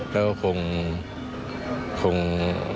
แล้วก็คง